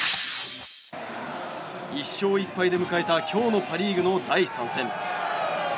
１勝１敗で迎えた今日のパ・リーグの第３戦。